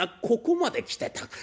ここまで来てた。